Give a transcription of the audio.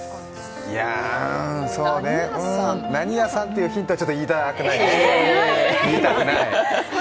何屋さんていうヒントは言いたくないね。